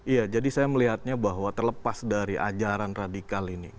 iya jadi saya melihatnya bahwa terlepas dari ajaran radikal ini